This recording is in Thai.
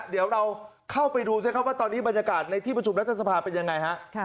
เดี๋ยวเราเข้าไปดูสิครับว่าตอนนี้บรรยากาศในที่ประชุมรัฐสภาเป็นยังไงฮะ